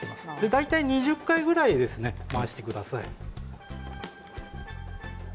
大体２０回ぐらい回してください。